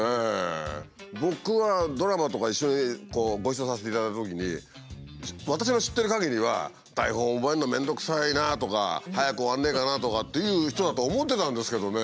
僕はドラマとか一緒にこうご一緒させていただいたときに私の知ってるかぎりは「台本覚えるの面倒くさいな」とか「早く終わんねえかな」とかっていう人だと思ってたんですけどね